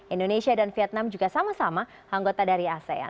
indonesia dan vietnam juga sama sama anggota dari asean